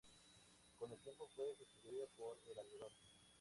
Con el tiempo fue sustituido por el algodón.